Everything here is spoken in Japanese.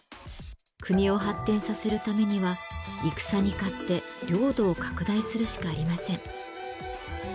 国を発展させるためには戦に勝って領土を拡大するしかありません。